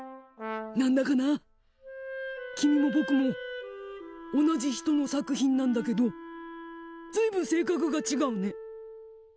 何だかなあ君も僕も同じ人の作品なんだけど随分性格が違うね。